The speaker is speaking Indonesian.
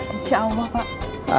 insya allah pak